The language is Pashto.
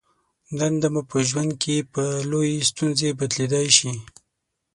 دنده مو په ژوند کې په لویې ستونزه بدلېدای شي.